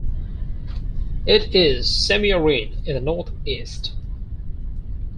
It is semiarid in the northeast.